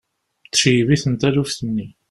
Tceggeb-iten taluft-nni.